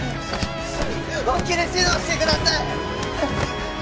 本気で指導してください！